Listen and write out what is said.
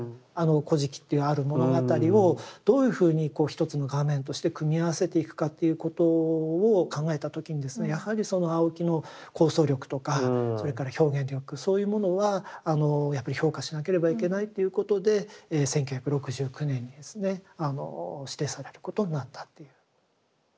「古事記」っていうある物語をどういうふうに一つの画面として組み合わせていくかということを考えた時にですねやはりその青木の構想力とかそれから表現力そういうものはやっぱり評価しなければいけないということで１９６９年にですね指定されることになったっていう。